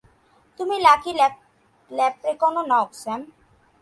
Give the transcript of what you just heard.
তুমি lucky leprechaun নও, Sam.